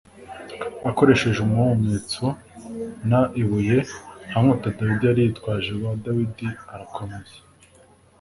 akoresheje umuhumetso n ibuye Nta nkota Dawidi yari yitwaje b Dawidi arakomeza